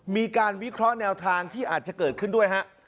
มีการวิเคราะห์แนวทางที่อาจจะเกิดขึ้นด้วยฮะ